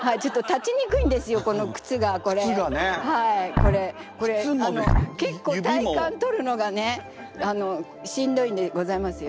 これこれあの結構体幹とるのがねしんどいんでございますよ。